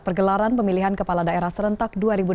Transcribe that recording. pergelaran pemilihan kepala daerah serentak dua ribu delapan belas